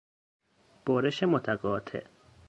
برش متقاطع